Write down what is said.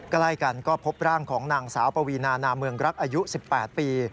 ใกล้กันก็พบร่างของนางสาวปวีนานาเมืองรักอายุ๑๘ปี